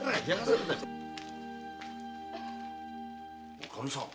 おかみさん！